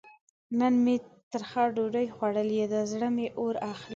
نن مې ترخه ډوډۍ خوړلې ده؛ زړه مې اور اخلي.